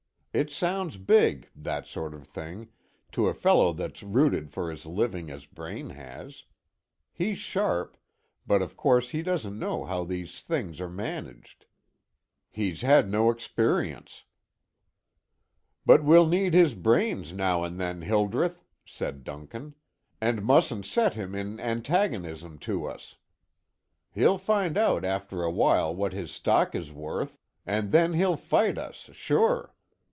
It sounds big, that sort of thing, to a fellow that's rooted for his living as Braine has. He's sharp, but of course he doesn't know how these things are managed. He's had no experience." "But we'll need his brains now and then, Hildreth," said Duncan, "and mustn't set him in antagonism to us. He'll find out after a while what his stock is worth, and then he'll fight us, sure.